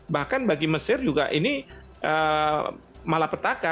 bahkan bagi mesir juga ini malah petaka